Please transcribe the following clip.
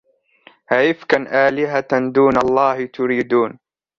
أَئِفْكًا آلِهَةً دُونَ اللَّهِ تُرِيدُونَ